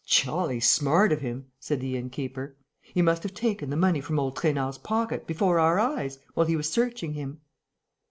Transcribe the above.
"Jolly smart of him!" said the inn keeper. "He must have taken the money from old Trainard's pocket, before our eyes, while he was searching him."